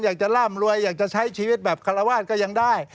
อยากจะร่ำรวยอยากจะใช้ชีวิตแบบคารวาสก็ยังได้